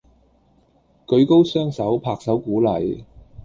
舉高雙手拍手鼓勵